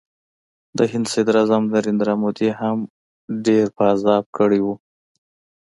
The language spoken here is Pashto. د هند صدراعظم نریندرا مودي هم ډېر په عذاب کړی و